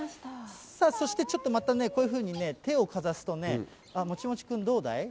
さあ、そしてちょっとまた、こういうふうに手をかざすとね、もちもちくん、どうだい？